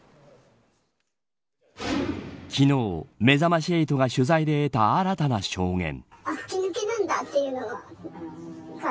昨日、めざまし８が取材で得た新たな証言。